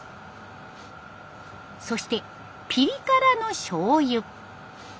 そしてピリ辛のしょうゆ。